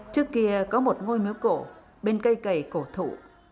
trước kia có một ngôi miếu cổ bên cây cầy cổ thụ